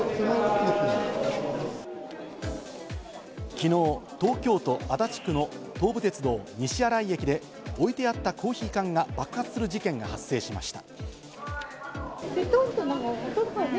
昨日、東京都足立区の東武鉄道・西新井駅で置いてあったコーヒー缶が爆発する事件が発生しました。